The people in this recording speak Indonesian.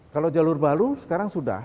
kalau jalur baru sekarang sudah